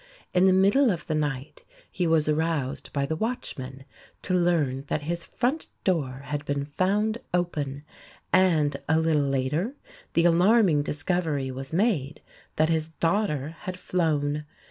In the middle of the night he was aroused by the watchman to learn that his front door had been found open; and a little later the alarming discovery was made that his daughter had flown.